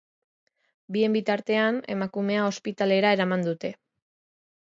Bien bitartean, emakumea ospitalera eraman dute.